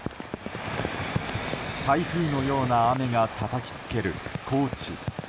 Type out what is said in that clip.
台風のような雨がたたきつける高知。